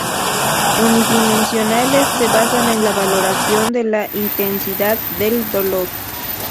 Unidimensionales: Se basan en la valoración de la intensidad del dolor.